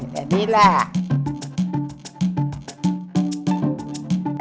แบบนี้แหละ